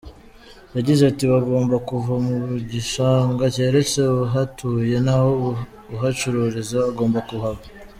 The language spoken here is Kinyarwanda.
Yagize ati “Bagomba kuva mu gishanga keretse uhatuye naho uhacururiza agomba kuhava.